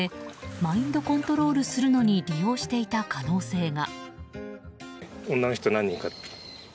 マインドコントロールするのに利用していた可能性が。